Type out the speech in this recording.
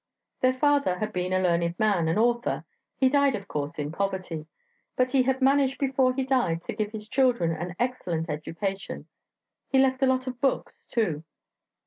Their father had been a learned man, an author; he died, of course, in poverty, but he had managed before he died to give his children an excellent education; he left a lot of books too.